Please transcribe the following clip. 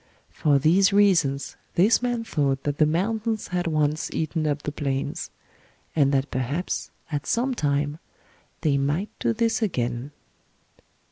For these reasons this man thought that the mountains had once eaten up the plains; and that perhaps at some time they might do this again."